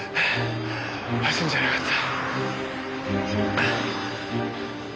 走るんじゃなかった。